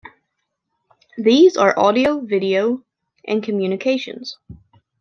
These are audio, video, and communications.